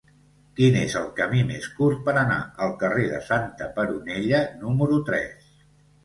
Quin és el camí més curt per anar al carrer de Santa Peronella número tres?